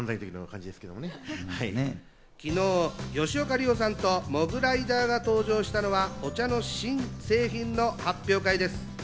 昨日、吉岡里帆さんとモグライダーが登場したのは、お茶の新製品の発表会です。